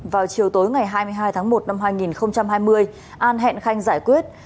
vào chiều tối ngày hai mươi hai tháng một năm hai nghìn hai mươi an hẹn khanh giải quyết